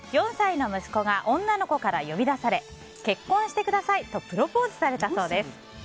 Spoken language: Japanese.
４歳の息子が女の子から呼び出され結婚してくださいとプロポーズされたそうです。